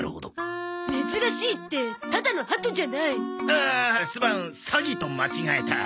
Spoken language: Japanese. ああすまんサギと間違えた。